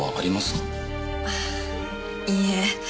あいいえ。